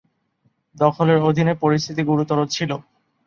দখলের অধীনে পরিস্থিতি গুরুতর ছিল।